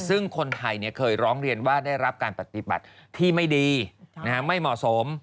ซึ่งคนไทยเคยร้องเรียนว่าได้รับการปฏิบัติที่ไม่ดีไม่เหมาะสม